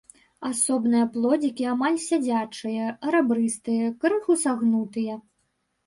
Асобныя плодзікі амаль сядзячыя, рабрыстыя, крыху сагнутыя.